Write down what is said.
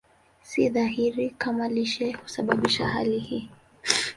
Si dhahiri kama lishe husababisha hali hii.